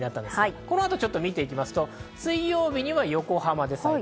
この後を見ていきますと、水曜日には横浜です。